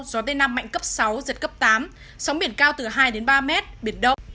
gió tây nam mạnh cấp sáu giật cấp tám sóng biển cao từ hai ba m biển đông